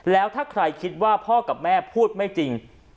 แล้วถ้าใครคิดว่าพ่อกับแม่พูดไม่จริง